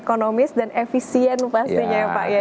ekonomis dan efisien pastinya ya pak ya